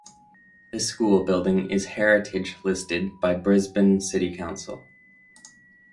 This school building is heritage listed by Brisbane City Council.